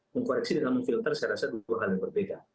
mengkoreksi dan mengfilter saya rasa dua hal yang berbeda